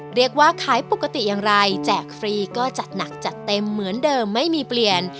เรียกว่าขายปกติอย่างไรแจกฟรีก็จัดหนักจัดเต็มเหมือนเดิมไม่มีเปลี่ยน